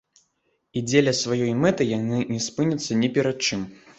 І дзеля сваёй мэты яны не спыняцца ні перад чым.